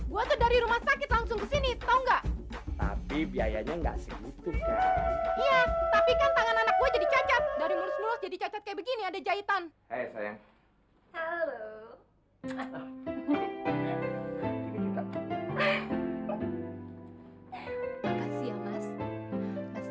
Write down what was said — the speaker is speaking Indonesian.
gue tuh dari rumah sakit langsung ke sini tahu nggak tapi biayanya enggak segitu kan iya tapi